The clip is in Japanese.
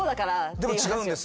「でも違うんです」って。